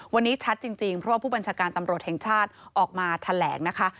วันนี้ชัดจริงเพราะว่าผู้บัญชาการตำรวจแห่งชาติออกมาแถลงนะคะ